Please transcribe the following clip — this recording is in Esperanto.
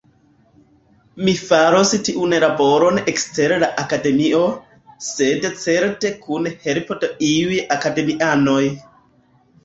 Mi faros tiun laboron ekster la Akademio, sed certe kun helpo de iuj Akademianoj.